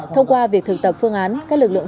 thông qua việc thực tập phương án các lực lượng